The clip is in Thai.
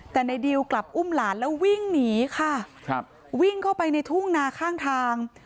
แต่ในดิวกลับอุ้มหลานแล้ววิ่งหนีค่ะครับวิ่งเข้าไปในทุ่งนาข้างทาง